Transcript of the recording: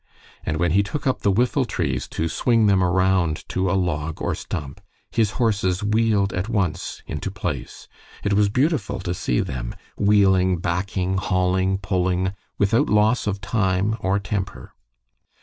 And when he took up the whiffletrees to swing them around to a log or stump, his horses wheeled at once into place. It was beautiful to see them, wheeling, backing, hauling, pulling, without loss of time or temper.